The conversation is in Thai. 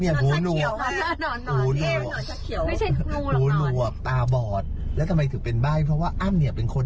อย่าจะกลัวแมวว่ายสายคุณขุม